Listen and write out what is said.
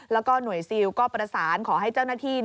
แล้วก็หน่วยซิลก็ประสานขอให้เจ้าหน้าที่